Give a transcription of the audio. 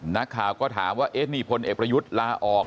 นักข่าวก็ถามว่านี่พลเอกประยุทธ์ลาออก